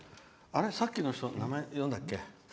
さっきの人、名前読んだっけ。